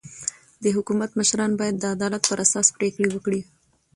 د حکومت مشران باید د عدالت پر اساس پرېکړي وکي.